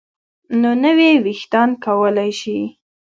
نو نوي ویښتان کولی شي